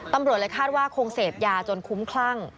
ตำรวจเลยคาดว่าคงเสพยาจนคุ้มคลั่ง